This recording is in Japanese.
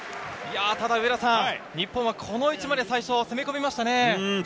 日本はこの位置まで最初、攻め込みましたね。